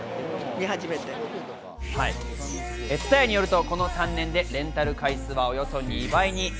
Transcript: ＴＳＵＴＡＹＡによると、この３年でレンタル回数はおよそ２倍に。